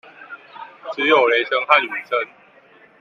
只有雷聲和雨聲